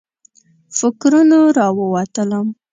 فکرونو راووتلم.